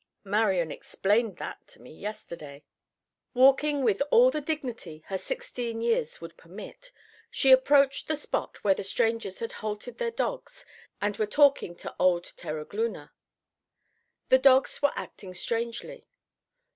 Marian explained that to me yesterday." Walking with all the dignity her sixteen years would permit, she approached the spot where the strangers had halted their dogs and were talking to old Terogloona. The dogs were acting strangely.